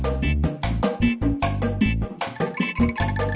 ates pusing angkat turun di bawah atau bodoh